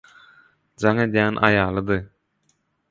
Jaň edýän aýalydy.